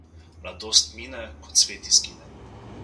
Mladost mine, ko cvet izgine.